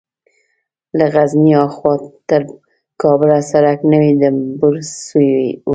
له غزني ها خوا تر کابله سړک نوى ډمبر سوى و.